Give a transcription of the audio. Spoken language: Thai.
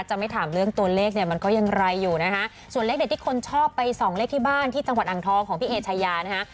จะไม่ถามเรื่องตัวเลขเนี่ยมันก็ยังไรอยู่นะคะส่วนเลขเด็ดที่คนชอบไปส่องเลขที่บ้านที่จังหวัดอ่างทองของพี่เอชายานะคะ